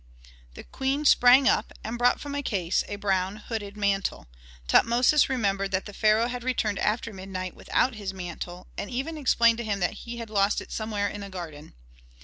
The queen sprang up and brought from a case a brown, hooded mantle. Tutmosis remembered that the pharaoh had returned after midnight without his mantle and even explained to him that he had lost it somewhere in the garden.